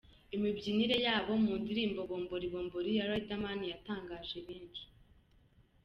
Imibyinire yabo mu ndirimbo Bombori bombori ya Riderman, yatangaje benshi.